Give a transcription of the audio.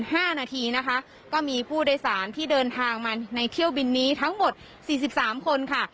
ห้านาทีนะคะก็มีผู้โดยสารที่เดินทางมาในเที่ยวบินนี้ทั้งหมดสี่สิบสามคนค่ะ